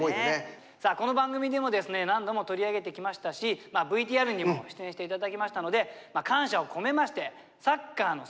この番組でもですね何度も取り上げてきましたしＶＴＲにも出演して頂きましたので感謝を込めまして「サッカーの園」